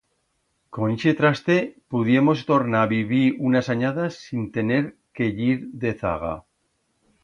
Con ixe traste pudiemos tornar a vivir unas anyadas sin tener que yir dezaga.